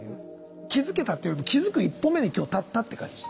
気づけたっていうより気づく一歩目に今日立ったって感じ。